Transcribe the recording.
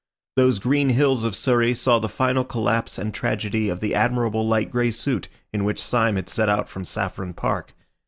Those green hills of Surrey saw the final collapse and tragedy of the admirable light grey suit in which Syme had set out from Saffron Park.